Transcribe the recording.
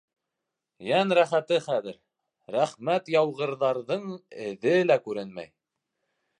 — Йән рәхәте хәҙер, «рәхмәт яуғырҙар»ҙың эҙе лә күренмәй.